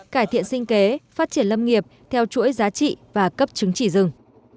cải thiện sinh kế phát triển lâm nghiệp theo chuỗi giá trị và cấp chứng chỉ rừng